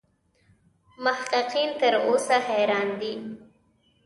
محققین تر اوسه حیران دي.